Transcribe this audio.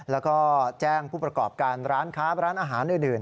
แล้วก็แจ้งผู้ประกอบการร้านค้าร้านอาหารอื่น